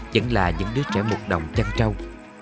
vẫn là những đứa trẻ mục đồng chăn trâu